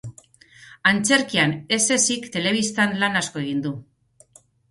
Antzerkian ez ezik, telebistan lan asko egin du.